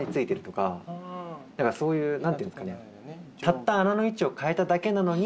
そういう何ていうんですかね。